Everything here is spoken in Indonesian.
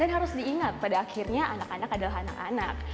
dan harus diingat pada akhirnya anak anak adalah anak anak